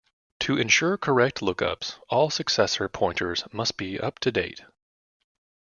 To ensure correct lookups, all successor pointers must be up to date.